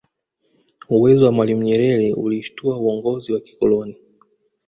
Uwezo wa mwalimu Nyerere uliushitua uongozi wa kikoloni